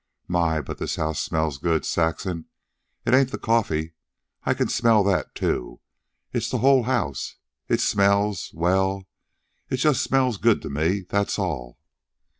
"My, but this house smells good, Saxon! It ain't the coffee I can smell that, too. It's the whole house. It smells... well, it just smells good to me, that's all."